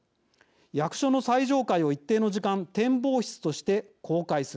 役所の最上階を一定の時間展望室として公開する。